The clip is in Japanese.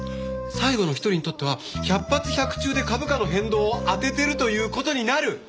最後の一人にとっては百発百中で株価の変動を当ててるということになる！